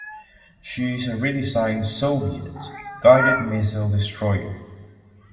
She is a redesigned Soviet guided missile destroyer.